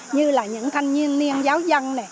như là những thanh niên niên giáo dân